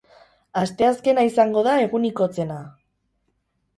Asteazkena izango da egunik hotzena.